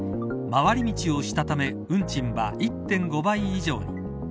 回り道をしたため運賃は１．５倍以上に。